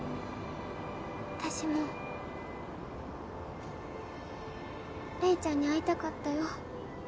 私も玲ちゃんに会いたかったよ。